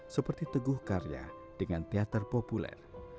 seperti teguh karya dengan teater populer